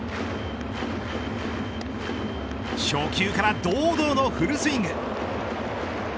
初球から堂々のフルスイング。